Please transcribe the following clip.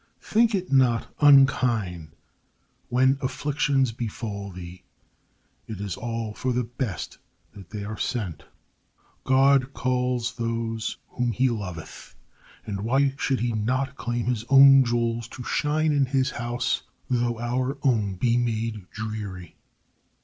] Think it not unkind when afflictions befall thee; it is all for the best that they are sent. God calls those whom he loveth, and why should he not claim his own jewels to shine in his house, though our own be made dreary?